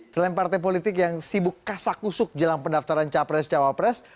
selain partai politik yang sibuk kasak kusuk jelang pendaftaran capres cawapres